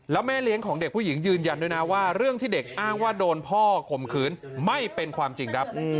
แล้วแม่เลี้ยงของเด็กผู้หญิงยืนยันด้วยนะว่าเรื่องที่เด็กอ้างว่าโดนพ่อข่มขืนไม่เป็นความจริงครับ